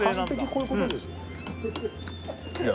こういうことですいや